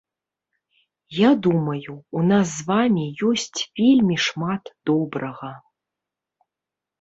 Я думаю, у нас з вамі ёсць вельмі шмат добрага.